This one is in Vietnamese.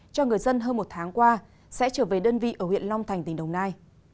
cho người dân hơn một tháng qua sẽ trở về đơn vị ở huyện long thành tỉnh đồng nai